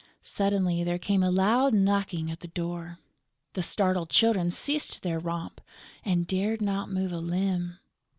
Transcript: Suddenly, there came a loud knocking at the door. The startled Children ceased their romp and dared not move a limb.